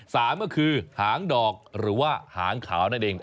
สามก็คือหางดอกหรือว่าหางขาวนั่นเอง